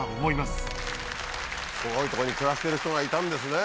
すごいとこに暮らしてる人がいたんですね。